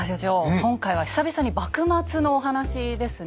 今回は久々に幕末のお話ですね。